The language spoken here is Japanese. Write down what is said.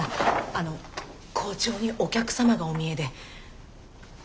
あの校長にお客様がお見えで。